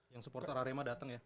yang supporter arema datang ya